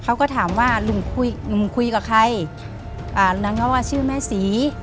เขาก็ถามว่าลุงคุยลุงคุยกับใครอ่ะนั่งว่าชื่อแม่ศรี